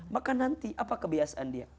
maka nanti apa kebiasaan dia